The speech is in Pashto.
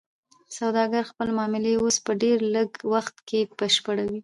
سوداګر خپلې معاملې اوس په ډیر لږ وخت کې بشپړوي.